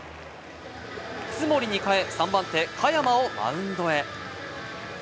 津森に代え、３番手・嘉弥真をマウンドへ。